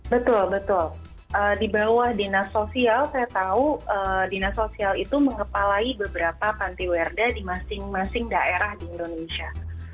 betul betul di bawah dinas sosial saya tahu dinas sosial itu mengepalai beberapa pantiwerda di masing masing daerah di indonesia